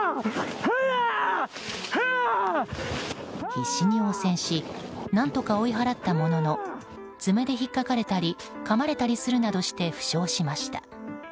必死に応戦し何とか追い払ったものの爪で引っかかれたりかまれたりするなどして負傷しました。